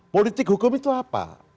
politik hukum itu apa